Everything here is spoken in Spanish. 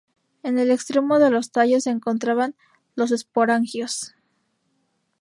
En el extremo de los tallos se encontraban los esporangios.